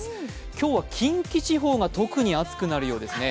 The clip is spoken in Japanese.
今日は近畿地方が特に暑くなるようですね。